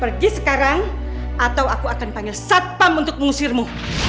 pergi sekarang atau aku akan panggil satpam untuk mengusirmu